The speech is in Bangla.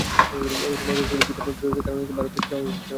অথচ মজার ব্যাপার হলো, ভিসা জটিলতার কারণে তাদের ভারতে যাওয়াই ছিল অনিশ্চিত।